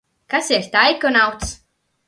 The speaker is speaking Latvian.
Kas ir taikonauts?